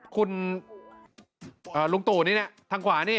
คุณลุงตู่นี่นะทางขวานี่